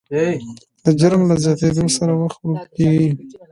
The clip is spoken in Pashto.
د جرم له زیاتېدو سره وخت ورو کېږي.